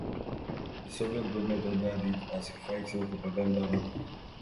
The Soviet government ordered it as a fighting propaganda weapon.